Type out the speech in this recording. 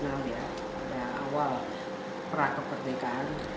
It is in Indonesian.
yang dikenal pada awal pra kemerdekaan